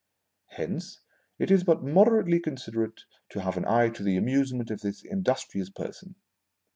Hence, it is but moderately considerate to have an eye to the amusement of this indus trious person.